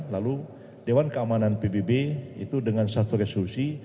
lalu dewan keamanan pbb itu dengan satu resolusi